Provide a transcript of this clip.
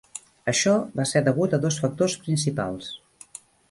Això va ser degut a dos factors principals.